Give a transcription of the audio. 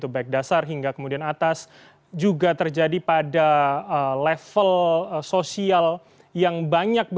baik dasar hingga kemudian atas juga terjadi pada level sosial yang banyak